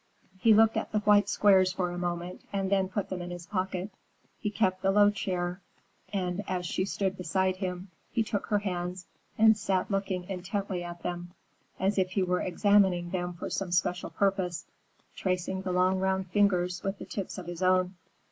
He looked at the white squares for a moment and then put them in his pocket. He kept the low chair, and as she stood beside him he took her hands and sat looking intently at them, as if he were examining them for some special purpose, tracing the long round fingers with the tips of his own.